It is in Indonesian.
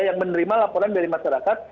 yang menerima laporan dari masyarakat